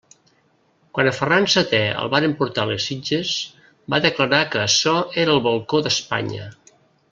Quan a Ferran seté el varen portar a les Sitges, va declarar que açò era el balcó d'Espanya.